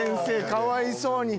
かわいそうに。